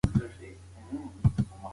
هغې وویل چې زه په انګلستان کې طب لولم.